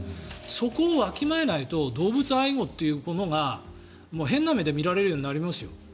そこをわきまえないと動物愛護というものが変な目で見られるようになりますよ。